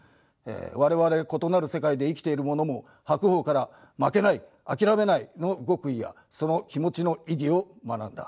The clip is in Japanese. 我々異なる世界で生きている者も白鵬から「負けない諦めない！」の極意やその気持ちの意義を学んだ。